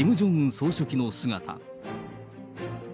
総書記の姿。